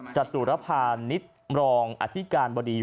จัดตุรพานิศรองอธิการบริษัท